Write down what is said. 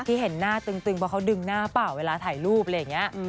ที่เห็นหน้าตึงเพราะเขาดึงหน้าเปล่าเวลาถ่ายรูปอะไรอย่างนี้